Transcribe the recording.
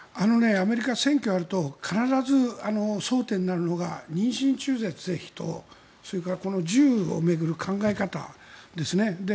アメリカは選挙があると必ず争点になるのが妊娠中絶の是非とそれから銃を巡る考え方ですね。